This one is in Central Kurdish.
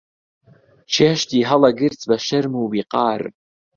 چێشتی هەڵئەگرت بە شەرم و ویقار